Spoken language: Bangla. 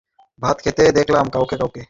ভাত খেতে দেখলাম কাউকে কাউকে।